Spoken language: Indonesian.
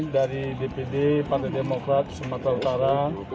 dari dpd partai demokrat sumatera utara